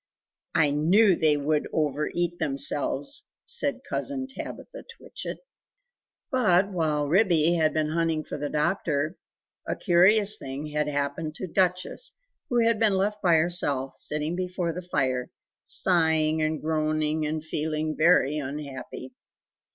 "I KNEW they would over eat themselves!" said Cousin Tabitha Twitchit. But while Ribby had been hunting for the doctor a curious thing had happened to Duchess, who had been left by herself, sitting before the fire, sighing and groaning and feeling very unhappy.